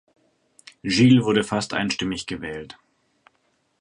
Giles wurde fast einstimmig gewählt.